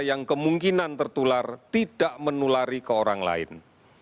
yang kemungkinan tertular tidak menulari ke orang lain